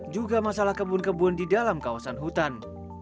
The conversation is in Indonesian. juga masalah kebun kebun di dalam kawasan hutan